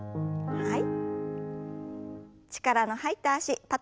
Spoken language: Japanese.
はい。